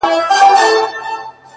دي مــــړ ســي’